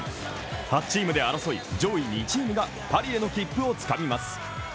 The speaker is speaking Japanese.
８チームで争い上位２チームがパリへの切符をつかみます。